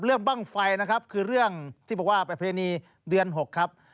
เรื่องบ้างไฟนะครับคือเรื่องที่บอกว่าประเพณีเดือน๖ครับ